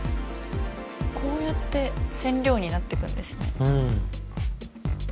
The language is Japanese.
こうやって染料になってくんですね